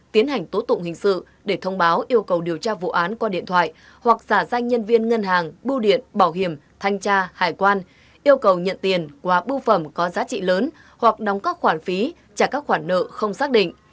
tiến hành tố tụng hình sự để thông báo yêu cầu điều tra vụ án qua điện thoại hoặc giả danh nhân viên ngân hàng bưu điện bảo hiểm thanh tra hải quan yêu cầu nhận tiền qua bưu phẩm có giá trị lớn hoặc đóng các khoản phí trả các khoản nợ không xác định